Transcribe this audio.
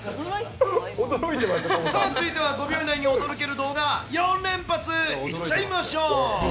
さあ、続いては５秒以内に驚ける動画、４連発いっちゃいましょう。